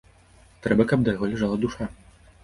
Трэба, каб да яго ляжала душа.